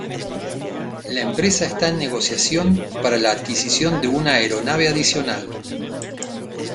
La empresa está en negociación para la adquisición de una aeronave adicional.